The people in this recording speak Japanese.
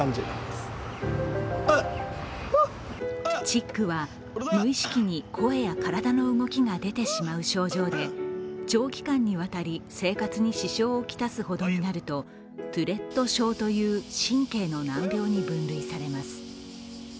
チックは無意識に声や体の動きが出てしまう症状で長期間にわたり生活に支障を来すほどになるとトゥレット症という神経の難病に分類されます。